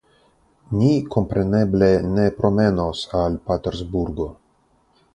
Ni kompreneble ne promenos al Patersburgo.